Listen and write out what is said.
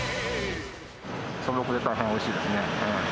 素朴で大変おいしいですね。